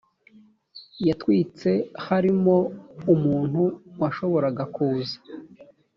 yatwitse harimo umuntu washoboraga kuza